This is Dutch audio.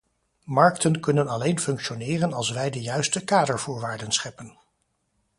Markten kunnen alleen functioneren als wij de juiste kadervoorwaarden scheppen.